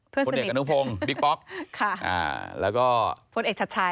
คนเอกกระนุกพงษ์บิ๊กป๊อกก์แล้วก็คนเอกชัดชัย